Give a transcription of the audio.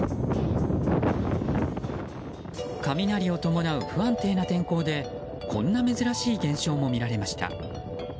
雷を伴う不安定な天候でこんな珍しい現象も見られました。